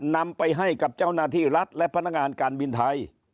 นำไปให้กับเจ้าหน้าที่รัฐและพนักงานการบินไทย